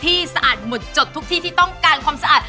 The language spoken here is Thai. สะอาดหมดจดทุกที่ที่ต้องการความสะอาด